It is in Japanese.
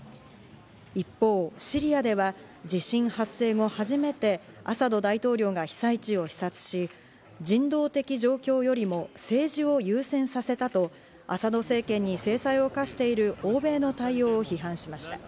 一方シリアでは地震発生後、初めてアサド大統領が被災地を視察し、人道的状況よりも政治を優先させたとアサド政権に制裁を科している欧米の対応を批判しました。